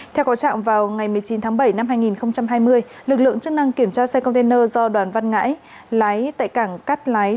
theo có trạng vào ngày một mươi chín tháng bảy năm hai nghìn hai mươi lực lượng chức năng kiểm tra xe container do đoàn văn ngãi lái tại cảng cát lái